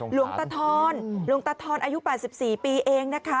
หลวงตาทอนหลวงตาทอนอายุ๘๔ปีเองนะคะ